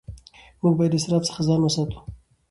موږ باید د اسراف څخه ځان وساتو